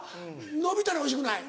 のびたらおいしくない。